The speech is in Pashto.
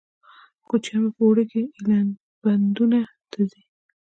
کوچیان په اوړي کې ایلبندونو ته ځي